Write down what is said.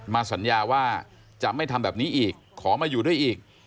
สัญญาว่าจะไม่ทำแบบนี้อีกขอมาอยู่ด้วยอีก